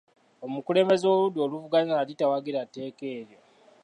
Omukulembeze w'oludda oluvuganya yali tawagira tteeka eryo.